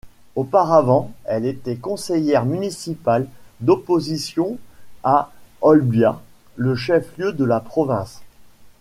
Auparavant, elle était conseillère municipale d'opposition à Olbia, le chef-lieu de la province.